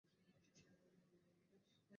যুদ্ধের অবস্থা আরো ভয়াবহ আকার ধারণ করে।